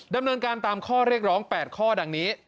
ดำเนินการตามข้อเรียกร้อง๘ข้อดังนี้